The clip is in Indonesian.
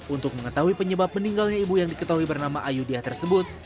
untuk mengetahui penyebab meninggalnya ibu yang diketahui bernama ayudhya tersebut